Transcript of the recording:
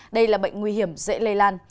đây là bệnh nguy hiểm dễ lây lan